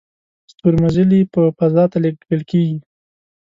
ستورمزلي په فضا ته لیږل کیږي